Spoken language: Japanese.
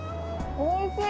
おいしい！